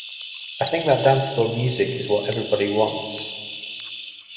I think that danceable music is what everybody wants.